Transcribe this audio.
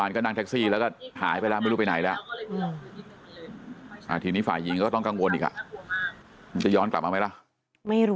อาทีนี้ฝ่ายยีงก็ต้องกังวลอีกอะเข้าย้อนกลับมาไว้แล้ว